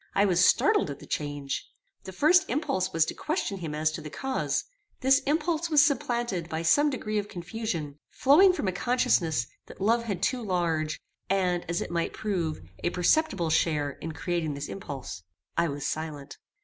I was startled at the change. The first impulse was to question him as to the cause. This impulse was supplanted by some degree of confusion, flowing from a consciousness that love had too large, and, as it might prove, a perceptible share in creating this impulse. I was silent.